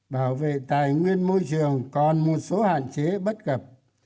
bảo vệ tài nguyên môi trường còn một số hạn chế bất cập